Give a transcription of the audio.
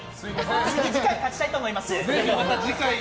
次回勝ちたいと思います。